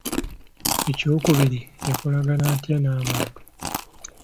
Ekyokubiri, yakolagana atya n'abantu.